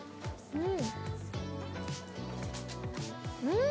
うん！